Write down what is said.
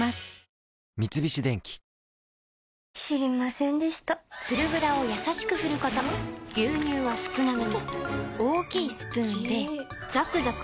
三菱電機知りませんでした「フルグラ」をやさしく振ること牛乳は少なめに大きいスプーンで最後の一滴まで「カルビーフルグラ」